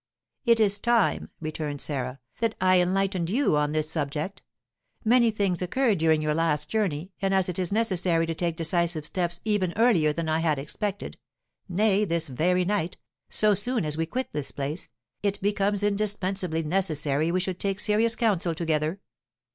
"It is time," returned Sarah, "that I enlightened you on this subject. Many things occurred during your last journey, and as it is necessary to take decisive steps even earlier than I had expected, nay, this very night, so soon as we quit this place, it becomes indispensably necessary we should take serious counsel together.